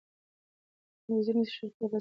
کروزینسکي شل کاله په اصفهان کي تېر کړل.